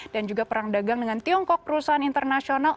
dan juga perang dagang dengan tiongkok perusahaan internasional